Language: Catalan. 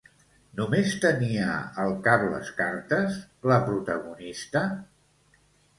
Només tenia al cap les cartes, la protagonista?